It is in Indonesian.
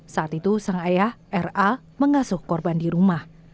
saat itu sang ayah ra mengasuh korban di rumah